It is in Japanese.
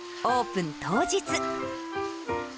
オープン当日。